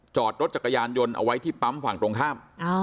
จอดรถจักรยานยนต์เอาไว้ที่ปั๊มฝั่งตรงข้าม